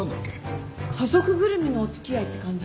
家族ぐるみのお付き合いって感じ？